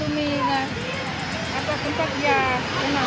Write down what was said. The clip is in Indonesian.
apa tempat ya emang